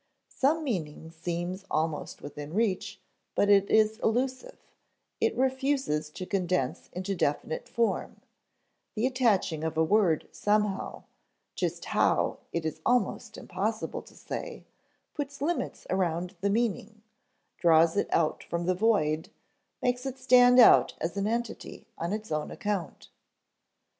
Some meaning seems almost within reach, but is elusive; it refuses to condense into definite form; the attaching of a word somehow (just how, it is almost impossible to say) puts limits around the meaning, draws it out from the void, makes it stand out as an entity on its own account.